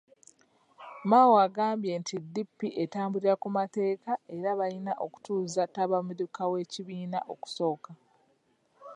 Mao agambye nti DP etambulira ku mateeka era nga baalina okutuuza ttabamiruka w'ekibiina okusooka.